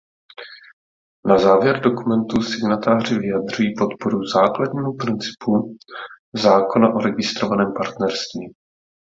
Na závěr dokumentu signatáři vyjadřují podporu základnímu principu Zákona o registrovaném partnerství.